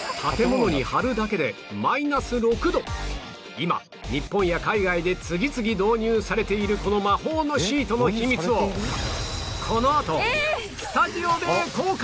今日本や海外で次々導入されているこの魔法のシートの秘密をこのあとスタジオで公開！